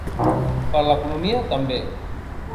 Per a l’economia, també.